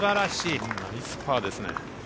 ナイスパーですね。